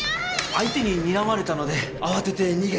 相手に睨まれたので慌てて逃げた。